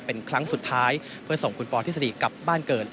เป็นครั้งสุดท้ายเพื่อส่งคุณปอทฤษฎีกลับบ้านเกิด